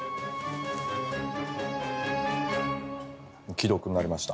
既読になりました。